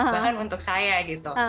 bahkan untuk saya gitu